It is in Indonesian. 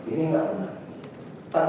ini enggak benar